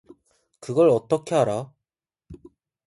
그걸 어떻게 알아?